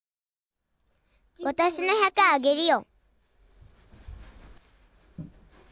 わたしの１００あげるよ。